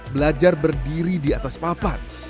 belajar berdiri di atas papan